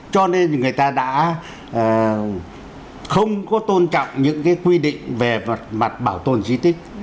cho nên người ta đã không có tôn trọng những quy định về mặt bảo tồn di tích